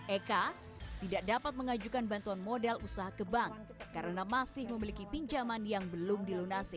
eka tidak dapat mengajukan bantuan modal usaha ke bank karena masih memiliki pinjaman yang belum dilunasi